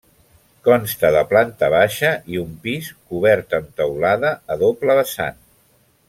Consta de planta baixa i un pis, cobert amb teulada a doble vessant.